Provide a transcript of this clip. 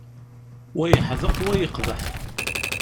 Wa yeḥdeq wa yeqbeḥ.